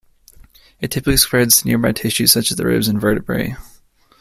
It typically spreads to nearby tissues such as the ribs and vertebrae.